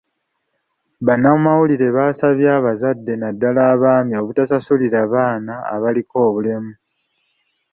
Bannamawulire basabye abazadde naddala abaami obutasuulirira baana abaliko bulemu.